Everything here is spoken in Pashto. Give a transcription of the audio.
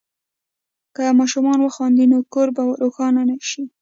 که ماشوم وخاندي، نو کور به روښانه شي.